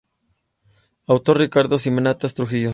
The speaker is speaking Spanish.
Autor: Ricardo Simancas Trujillo.